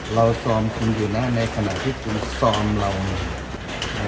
เราซอมคุณอยู่นะในขณะที่คุณซอมเรามัน